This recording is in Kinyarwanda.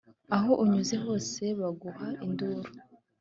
Aho unyuze hose baguha induru,